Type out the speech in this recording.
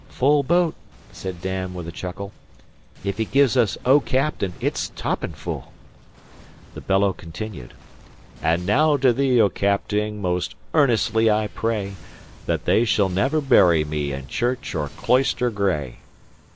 "Full boat," said Dan, with a chuckle. "If he give us 'O Captain' it's topping' too!" The bellow continued: "And naow to thee, O Capting, Most earnestly I pray, That they shall never bury me In church or cloister gray."